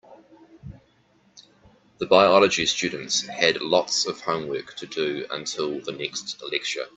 The biology students had lots of homework to do until the next lecture.